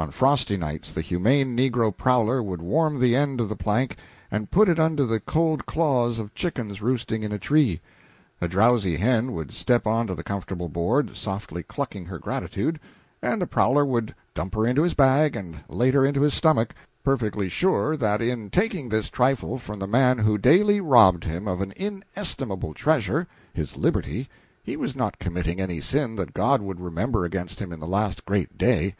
On frosty nights the humane negro prowler would warm the end of a plank and put it up under the cold claws of chickens roosting in a tree; a drowsy hen would step on to the comfortable board, softly clucking her gratitude, and the prowler would dump her into his bag, and later into his stomach, perfectly sure that in taking this trifle from the man who daily robbed him of an inestimable treasure his liberty he was not committing any sin that God would remember against him in the Last Great Day.